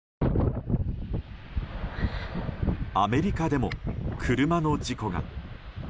アメリカでも車の事故が。